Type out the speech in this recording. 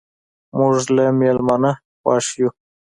موږ له میلمانه خوښ یو.